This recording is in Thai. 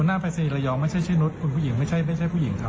หน้าปรายศนีย์ระยองไม่ใช่ชื่อนุษย์คุณผู้หญิงไม่ใช่ผู้หญิงครับ